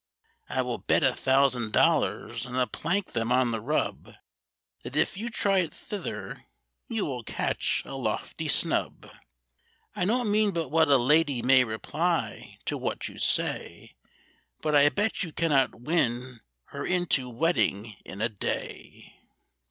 "I will bet a thousand dollars, and plank them on the rub, That if you try it thither, you will catch a lofty snub. I don't mean but what a lady may reply to what you say, But I bet you cannot win her into wedding in a day."